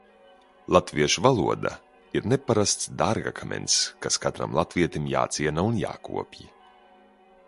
Latviešu valoda ir neparasts dārgakmens, kas katram latvietim jāciena un jākopj.